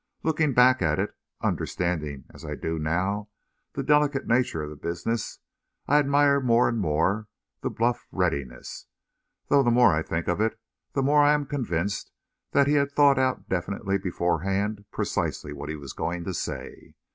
Looking back at it, understanding as I do now the delicate nature of that business, I admire more and more that bluff readiness; though the more I think of it, the more I am convinced that he had thought out definitely beforehand precisely what he was going to say.